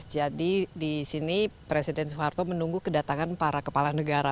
jadi di sini presiden soeharto menunggu kedatangan para kepala negara